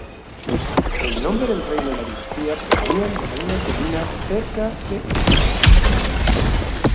El nombre del reino y la dinastía provenían de una colina cerca de Stuttgart.